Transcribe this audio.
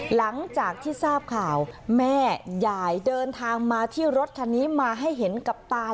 หลังจากที่ทราบข่าวแม่ยายเดินทางมาที่รถคันนี้มาให้เห็นกับตา